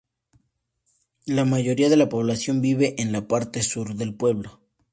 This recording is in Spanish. La mayoría de la población vive en la parte sur del pueblo.